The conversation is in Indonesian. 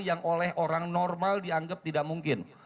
yang oleh orang normal dianggap tidak mungkin